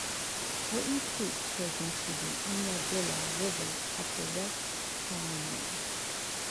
Wharton Creek flows into the Unadilla River at the west town line.